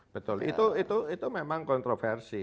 betul itu memang kontroversi